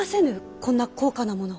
こんな高価なもの。